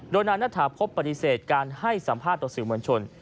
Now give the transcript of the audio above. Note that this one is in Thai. โดยนายณฐาพบปฏิเสธการให้สัมภาษณ์ต่อสื่อมวลชน